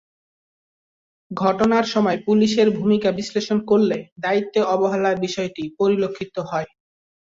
ঘটনার সময় পুলিশের ভূমিকা বিশ্লেষণ করলে দায়িত্বে অবহেলার বিষয়টি পরিলক্ষিত হয়।